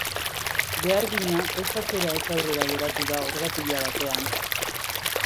Behargina ez atzera ez aurrera geratu da orgatila batean.